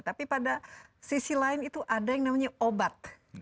tapi pada sisi lain itu ada yang namanya obat